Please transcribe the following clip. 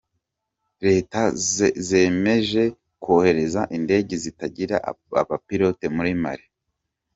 Leta zemeje kohereza indege zitagira abapilote muri Mali